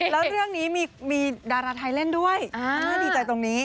แล้วเรื่องนี้มีดาราไทยเล่นด้วยน่าดีใจตรงนี้